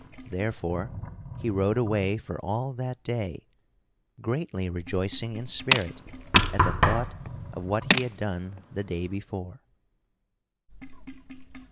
Therefore he rode away for all that day, greatly rejoicing in spirit at the thought of what he had done the day before.